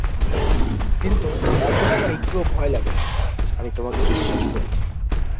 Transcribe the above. কিন্তু এখন আমার একটুও ভয় লাগে নাহ আমি তোমাকে বিশ্বাস করি।